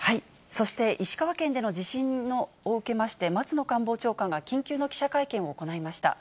そして、石川県での地震を受けまして、松野官房長官が緊急の記者会見を行いました。